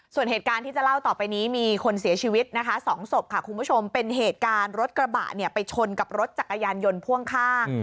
ส่วนเหตุการณ์ที่จะเล่าต่อไปนี้มีคนเสียชีวิตนะคะ๒ศพค่ะคุณผู้ชมเป็นเหตุการณ์รถกระบะเนี่ยไปชนกับรถจักรยานยนต์พ่วงข้าง